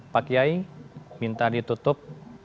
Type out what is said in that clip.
pak kiai minta ditutup